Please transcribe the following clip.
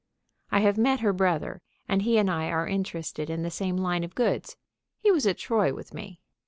I have met her brother, and he and I are interested in the same line of goods. He was at Troy with me.